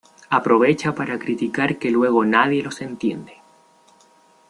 Aprovecha para criticar que luego nadie los entiende.